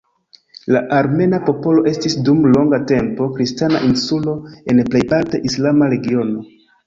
La armena popolo estis dum longa tempo, kristana "insulo" en plejparte islama regiono.